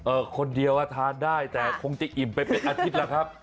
คนเดียวอ่ะทานได้แต่คงจะอิ่มไปเป็นอาทิตย์แล้วครับ